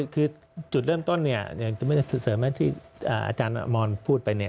คือจุดเริ่มต้นอย่างที่สุดเสริมที่อาจารย์มอนพูดไป